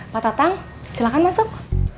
pak tatang silahkan masuk